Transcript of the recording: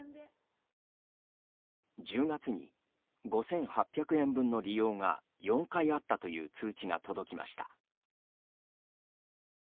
１０月に５８００円分の利用が４回あったという通知が届きました。